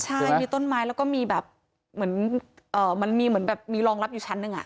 ใช่มีต้นไม้แล้วก็มีแบบเหมือนมันมีเหมือนแบบมีรองรับอยู่ชั้นหนึ่ง